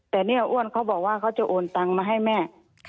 แต่เนี่ยอ้วนเขาบอกว่าเขาจะโอนตังมาให้แม่